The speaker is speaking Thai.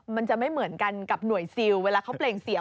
มันจะไม่เหมือนกันกับหน่วยซิลเวลาเขาเปล่งเสียง